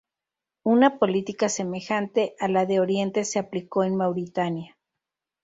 Una política semejante a la de Oriente se aplicó en Mauritania.